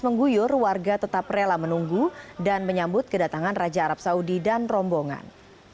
mengguyur warga tetap rela menunggu dan menyambut kedatangan raja arab saudi dan rombongan